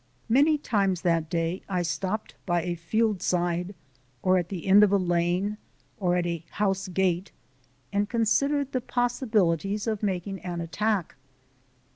Many times that day I stopped by a field side or at the end of a lane, or at a house gate, and considered the possibilities of making an attack.